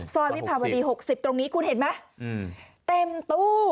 วิภาวดี๖๐ตรงนี้คุณเห็นไหมเต็มตู้